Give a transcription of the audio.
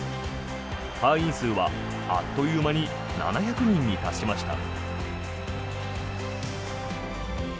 会員数はあっという間に７００人に達しました。